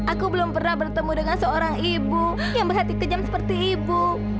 aku belum pernah bertemu dengan seorang ibu yang berhati kejam seperti ibu